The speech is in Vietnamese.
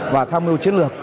và tham mưu chiến lược